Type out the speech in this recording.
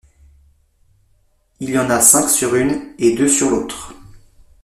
Il y en a cinq sur une, et deux sur l'autre.